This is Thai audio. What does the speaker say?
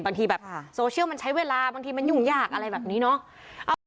บางทีแบบโซเชียลมันใช้เวลาบางทีมันยุ่งยากอะไรแบบนี้เนาะ